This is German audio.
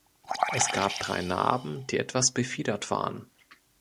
Es gab drei Narben, die etwas befiedert waren.